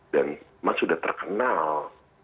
dan mas sudah terkenal